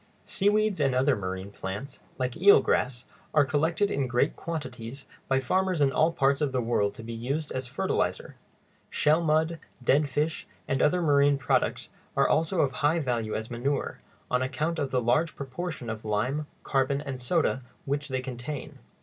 Seaweeds and other marine plants, like eel grass, are collected in great quantities by farmers in all parts of the world to be used as a fertilizer. Shell mud, dead fish, and other marine products are also of high value as manure, on account of the large proportion of lime, carbon, and soda which they contain.